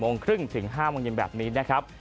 เวลา๔๓๐๕๐๐นแบบนี้นะครับ